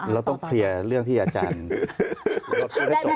เราต้องเคลียร์เรื่องที่อาจารย์พูดให้ตอบ